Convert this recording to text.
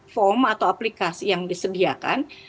form atau aplikasi yang disediakan